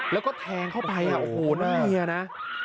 แล้วก็แทงเข้าไปโอ้โหน้องเมียนะ